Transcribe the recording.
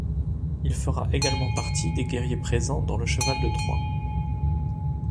Il fera également partie des guerriers présents dans le cheval de Troie.